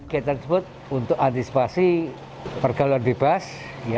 kita tersebut untuk antisipasi perkeluar bebas